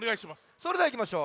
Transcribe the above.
それではいきましょう。